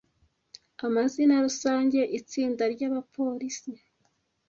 Amazina rusange - itsinda ryabapolisi